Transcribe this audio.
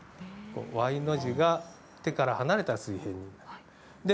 Ｙの字が手から離れたら水平です。